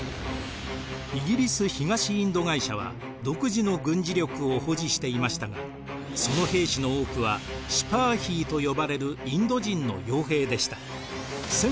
イギリス東インド会社は独自の軍事力を保持していましたがその兵士の多くはシパーヒーと呼ばれるインド人の傭兵でした。